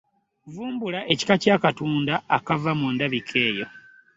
Vumbula ekika ky’akatunda akava mu ndabika eyo.